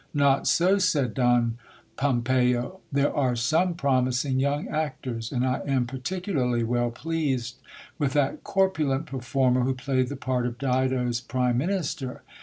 Not so, said lK>n Pompeyo. There are some promising young actors, and I am particularly well pleased with that corpulent performer who played the part of Dido's prime minister.